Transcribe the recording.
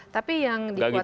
tapi yang dikhawatirkan